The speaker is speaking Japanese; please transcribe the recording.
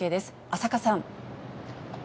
浅賀さん。